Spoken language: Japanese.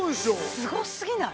すごすぎない！？